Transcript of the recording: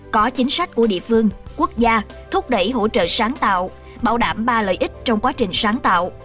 có chính sách của địa phương quốc gia thúc đẩy hỗ trợ sáng tạo bảo đảm ba lợi ích trong quá trình sáng tạo